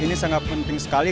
ini sangat penting sekali